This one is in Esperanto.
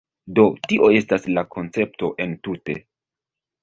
Do, tio estas la koncepto entute